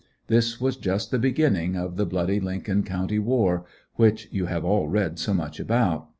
This was just the beginning of the "bloody Lincoln County war" which you have all read so much about.